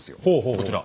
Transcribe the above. こちら。